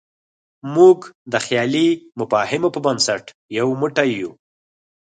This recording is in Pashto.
موږ د خیالي مفاهیمو په بنسټ یو موټی یو.